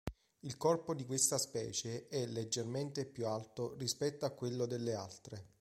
Il corpo di questa specie è leggermente più alto rispetto a quello delle altre.